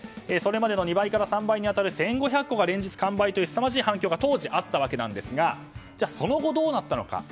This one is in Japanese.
それまでの２倍から３倍に当たる１５００個は連日完売というすさまじい反響が当時、あったわけなんですがその後、どうなったのか。